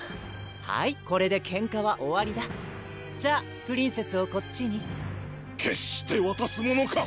はいこれでけんかは終わりだじゃあプリンセスをこっちに決してわたすものか！